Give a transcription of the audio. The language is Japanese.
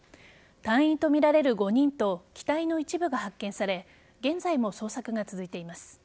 隊員とみられる５人と機体の一部が発見され現在も捜索が続いています。